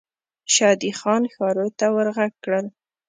شادي خان ښارو ته ور ږغ کړل.